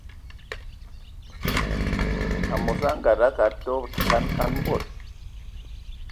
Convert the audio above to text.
Amos angada akad togan kan kan bod.